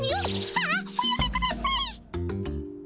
ああおやめください。